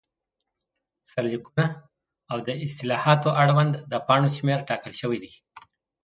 سرلیکونه، او د اصطلاحاتو اړوند د پاڼو شمېر ټاکل شوی دی.